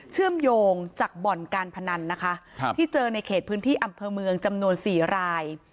เชื่อมโยงจากบ่อนการพนันนะคะที่เจอในเขตพื้นที่อำเภอเมืองจำนวน๔ราย